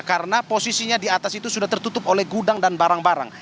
karena posisinya di atas itu sudah tertutup oleh gudang dan barang barang